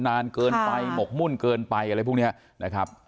นานเกินไปหมกมุ่นเกินไปอะไรพวกนี้นะครับ